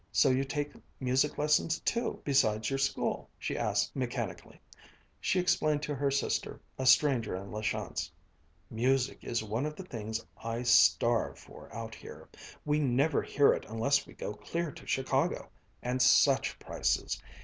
So you take music lessons too, besides your school?" she asked mechanically. She explained to her sister, a stranger in La Chance: "Music is one of the things I starve for, out here! We never hear it unless we go clear to Chicago and such prices!